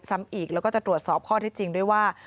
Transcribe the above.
ซ้ำอีกแล้วก็จะตรวจสอบข้อที่จริงด้วยว่า